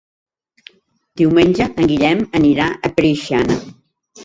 Diumenge en Guillem anirà a Preixana.